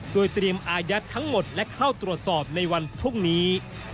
โดยเตรียมอายัดทั้งหมดและเข้าตรวจสอบในวันพรุ่งนี้